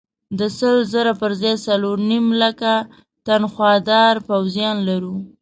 د سل زره پر ځای څلور نیم لکه تنخوادار پوځیان لرو.